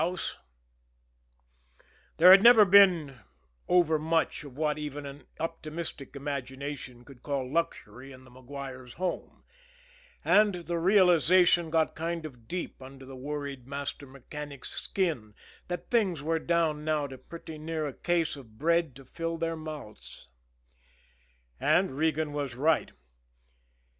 There had never been over much of what even an optimistic imagination could call luxury in the Maguire's home, and the realization got kind of deep under the worried master mechanic's skin that things were down now to pretty near a case of bread to fill their mouths. And Regan was right.